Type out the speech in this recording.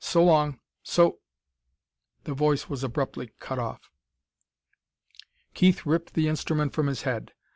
So long! So " The voice was abruptly cut off. Keith ripped the instrument from his head.